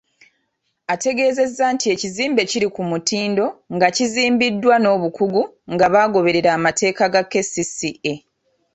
Ategeezezza nti ekizimbe kiri ku mutindo nga kizimbiddwa n'obukugu nga bagoberera amateeka ga KCCA.